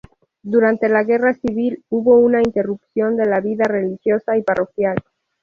Durante la Guerra Civil, hubo una interrupción de la vida religiosa y parroquial.